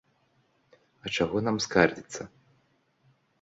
А чаго нам скардзіцца?